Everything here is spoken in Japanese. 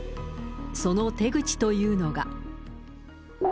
その手口というのが。